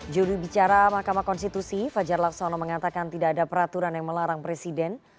juru bicara mahkamah konstitusi fajar laksono mengatakan tidak ada peraturan yang melarang presiden